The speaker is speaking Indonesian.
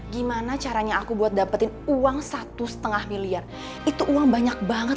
gimana caranya aku buat dapetin uang satu lima miliar itu uang banyak banget